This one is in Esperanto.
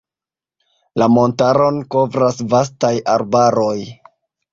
La montaron kovras vastaj arbaroj.